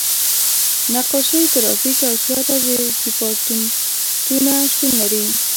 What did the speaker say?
نقاشۍ، ګرافیک او تیاتر دیپارتمنټونه شتون لري.